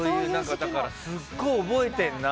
すごい覚えてるな。